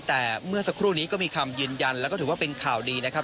แต่เมื่อสักครู่นี้ก็มีคำยืนยันแล้วก็ถือว่าเป็นข่าวดีนะครับ